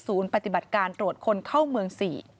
ศูนย์ปฏิบัติการตรวจคนเข้าเมืองสิ